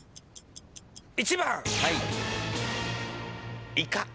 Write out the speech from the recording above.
１番。